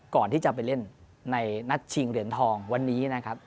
ก่อนที่จะไปเล่นในนัดชิงเหรียญทองวันนี้นะครับ